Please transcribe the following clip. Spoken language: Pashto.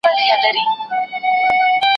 خو د عقل او د زور يې لاپي كړلې